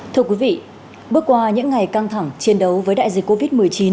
thưa quý vị bước qua những ngày căng thẳng chiến đấu với đại dịch covid một mươi chín